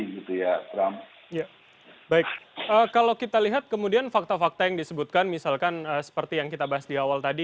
baik kalau kita lihat kemudian fakta fakta yang disebutkan misalkan seperti yang kita bahas di awal tadi